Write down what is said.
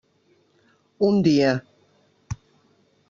Un dia.